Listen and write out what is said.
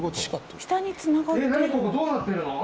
下につながってる。